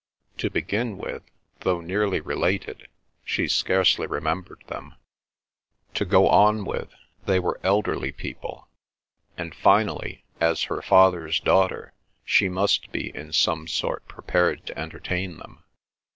To begin with, though nearly related, she scarcely remembered them; to go on with, they were elderly people, and finally, as her father's daughter she must be in some sort prepared to entertain them.